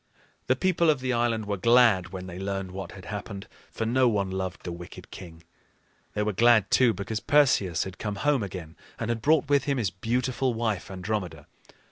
The people of the island were glad when they learned what had happened, for no one loved the wicked king. They were glad, too, because Perseus had come home again, and had brought with him his beautiful wife, Andromeda.